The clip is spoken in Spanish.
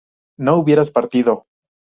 ¿no hubieras partido?